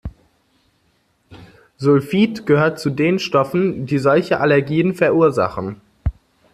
Sulfit gehört zu den Stoffen, die solche Allergien verursachen.